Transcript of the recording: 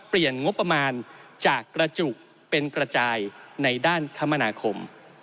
เปลี่ยนงบประมาณจากกระจุกเป็นกระจายในด้านคมนาคม